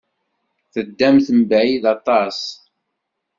Teddamt mebɛid aṭas.